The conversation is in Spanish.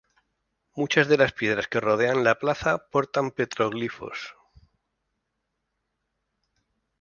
Muchas de las piedras que rodean la plaza portan petroglifos.